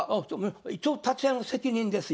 一応立会の責任ですよ。